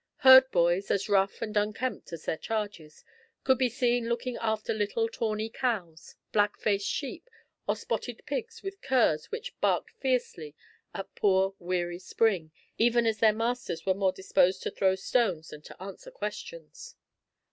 Herd boys, as rough and unkempt as their charges, could be seen looking after little tawny cows, black faced sheep, or spotted pigs, with curs which barked fiercely at poor weary Spring, even as their masters were more disposed to throw stones than to answer questions.